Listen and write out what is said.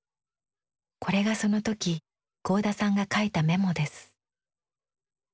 これがその時合田さんが書いたメモです。